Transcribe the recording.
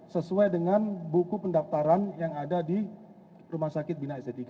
sesuai dengan buku pendaftaran yang ada di rumah sakit bina estetika